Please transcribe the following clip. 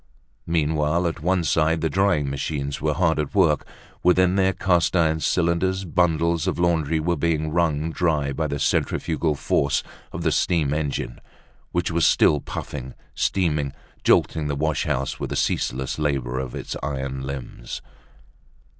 Meanwhile, at one side the drying machines were hard at work; within their cast iron cylinders bundles of laundry were being wrung dry by the centrifugal force of the steam engine, which was still puffing, steaming, jolting the wash house with the ceaseless labor of its iron limbs.